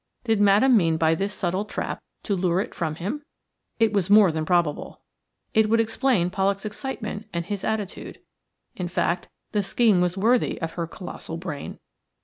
Did Madame mean by this subtle trap to lure it from him? It was more than probable. It would explain Pollak's excitement and his attitude. In fact, the scheme was worthy of her colossal brain.